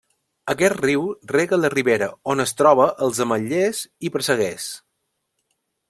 Aquest riu rega la ribera, on es troba els ametllers i presseguers.